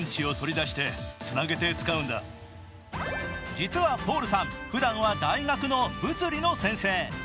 実はポールさんふだんは大学の物理の先生。